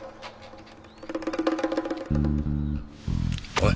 おい。